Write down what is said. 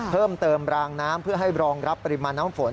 เพิ่มเติมรางน้ำเพื่อให้รองรับปริมาณน้ำฝน